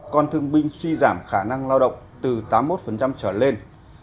con thương binh suy giảm khả năng lao động từ tám mươi một trở lên